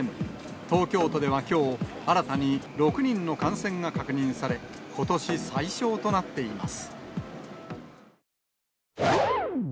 東京都ではきょう、新たに６人の感染が確認され、ことし最少となっています。